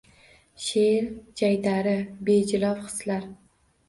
Sheʼr – jaydari, bejilov hislar